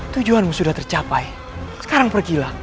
tujuanmu sudah tercapai sekarang pergilah